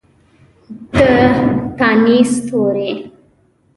د تانیث توري